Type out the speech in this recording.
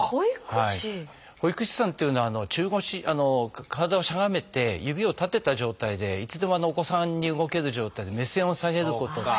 保育士さんっていうのは中腰体をしゃがめて指を立てた状態でいつでもお子さんに動ける状態で目線を下げることと。